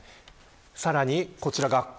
さらに、こちら学校。